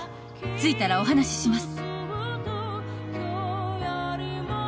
「着いたらお話しします」